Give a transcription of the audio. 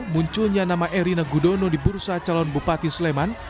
munculnya nama erina gudono di bursa calon bupati sleman